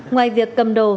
ngoài việc cầm đồ